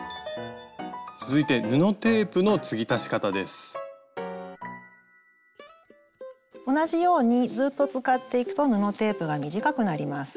続いて同じようにずっと使っていくと布テープが短くなります。